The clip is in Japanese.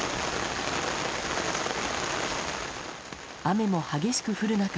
雨も激しく降る中。